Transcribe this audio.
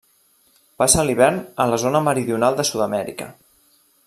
Passa l'hivern a la zona meridional de Sud-amèrica.